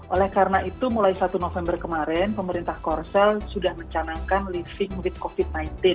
oleh karena itu mulai satu november kemarin pemerintah korsel sudah mencanangkan living with covid sembilan belas